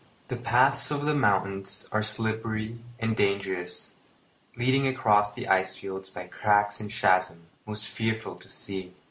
The paths over the mountains are slippery and dangerous, leading across the ice fields by cracks and chasms most fearful to see.